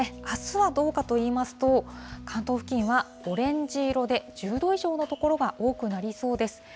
あすはどうかといいますと、関東付近はオレンジ色で１０度以上の所が多くなりそうです。